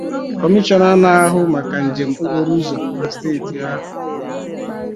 Kọmishọna na-ahụ maka njem okporo ụzọ na steeti ahụ